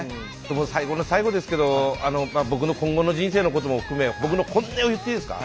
最後の最後ですけど僕の今後の人生のことも含め僕の本音を言っていいですか？